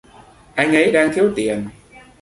anh ấy đang thiếu tiền